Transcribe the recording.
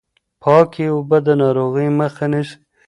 پاکې اوبه د ناروغیو مخه نيسي.